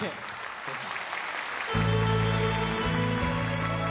どうぞ。